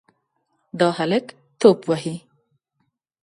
دا هلک توپ وهي.